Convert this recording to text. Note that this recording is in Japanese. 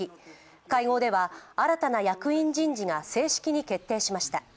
会合では新たな役員人事が正式に決定しました。